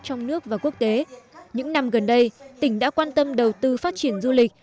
trong nước và quốc tế những năm gần đây tỉnh đã quan tâm đầu tư phát triển du lịch